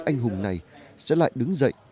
anh hùng này sẽ lại đứng dậy